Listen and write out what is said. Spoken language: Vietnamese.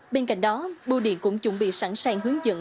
bên cạnh đó bu điện cũng chuẩn bị sẵn sàng hướng dẫn